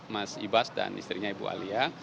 mas ibas dan istrinya ibu alia